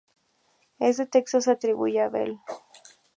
Este texto se atribuye a Bell.